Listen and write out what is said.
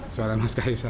suara mas gaisang